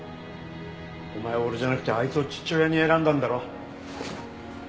お前は俺じゃなくてあいつを父親に選んだんだろ。